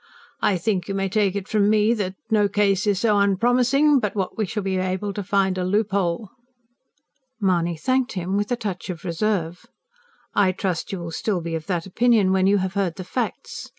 "I think you may take it from me that no case is so unpromising but what we shall be able to find a loophole." Mahony thanked him with a touch of reserve. "I trust you will still be of that opinion when you have heard the facts."